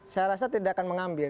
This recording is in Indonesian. saya rasa tidak akan mengambil